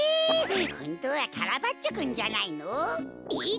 ほんとはカラバッチョくんじゃないの？えっ？